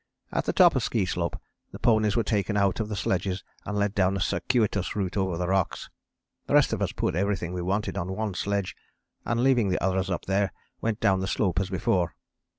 At the top of Ski Slope the ponies were taken out of the sledges and led down a circuitous route over the rocks. The rest of us put everything we wanted on one sledge and leaving the others up there went down the slope as before.